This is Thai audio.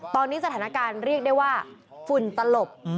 ตอนนี้สถานการณ์เรียกได้ว่าฝุ่นตลบ